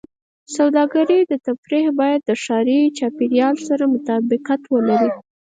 سوداګرۍ او تفریح باید د ښاري چاپېریال سره مطابقت ولري.